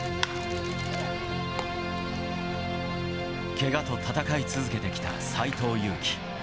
けがと戦い続けてきた斎藤佑樹。